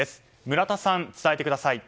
村田さん、伝えてください。